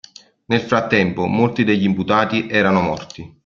Nel frattempo, molti degli imputati erano morti.